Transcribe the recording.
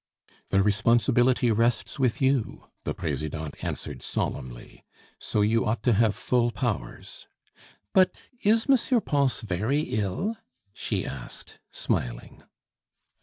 "The responsibility rests with you," the Presidente answered solemnly, "so you ought to have full powers. But is M. Pons very ill?" she asked, smiling.